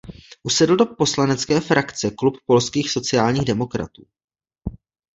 Usedl do poslanecké frakce Klub polských sociálních demokratů.